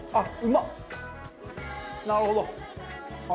なるほど。